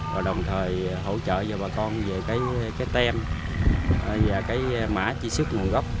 và đồng thời hỗ trợ cho bà con về cái tem và cái mã chi sức nguồn gốc